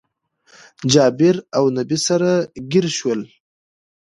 جابير اونبي سره ګير شول